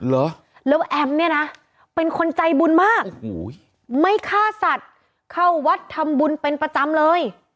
เหรอแล้วแอมเนี่ยนะเป็นคนใจบุญมากโอ้โหไม่ฆ่าสัตว์เข้าวัดทำบุญเป็นประจำเลย